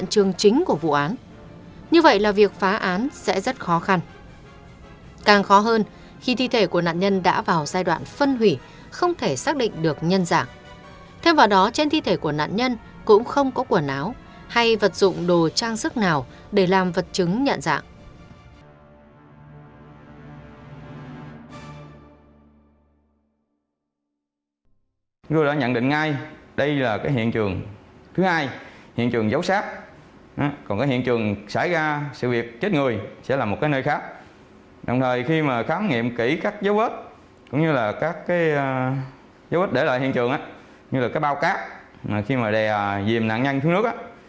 cũng như là các cái dấu ích để lại hiện trường như là cái bao cát khi mà đè dìm nạn nhân xuống nước